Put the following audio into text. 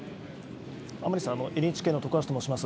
甘利さん、ＮＨＫの徳橋と申します。